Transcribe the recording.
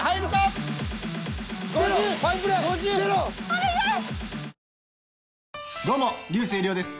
お願い！